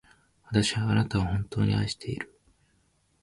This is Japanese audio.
私はあなたを、本当に愛している。